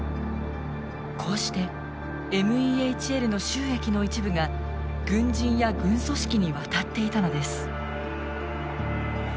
こうしてＭＥＨＬの収益の一部が軍人や軍組織に渡っていたのです。